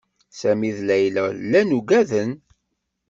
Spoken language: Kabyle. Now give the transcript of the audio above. Sami d Layla llan uggaden.